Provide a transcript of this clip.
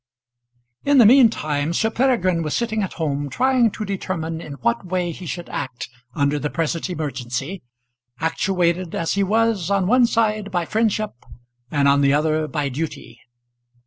In the mean time Sir Peregrine was sitting at home trying to determine in what way he should act under the present emergency, actuated as he was on one side by friendship and on the other by duty.